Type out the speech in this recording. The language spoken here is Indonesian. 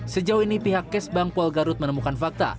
sejauh ini pihak kes bank pol garut menemukan fakta